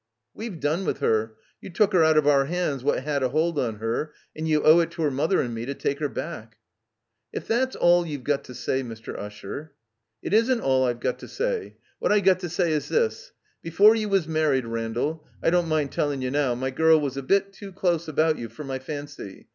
"We've done with her. You took her out of our 'ands what 'ad a hold on her, and you owe it to her mother and me to take her back." "If that's all you've got to say, Mr. Usher —" "It isn't all I've got to say. What I got to say is this. Before you was married, Randall, I don't mind telling you now, my girl was a bit too close about you for my fancy.